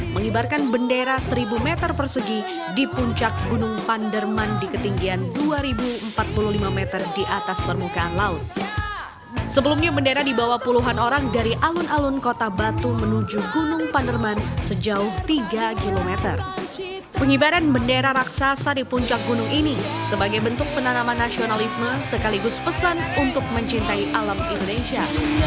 pengibaran bendera raksasa di puncak gunung ini sebagai bentuk penanaman nasionalisme sekaligus pesan untuk mencintai alam indonesia